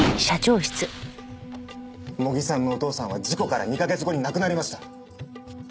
茂木さんのお父さんは事故から２カ月後に亡くなりました。